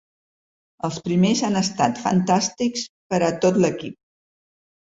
Els primers han estat fantàstics per a tot l’equip.